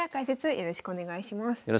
よろしくお願いします。